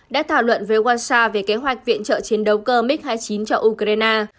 đã thảo luận với wansha về kế hoạch viện trợ chiến đấu cơ mig hai mươi chín cho ukraine